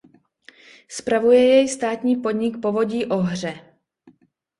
Spravuje jej státní podnik Povodí Ohře.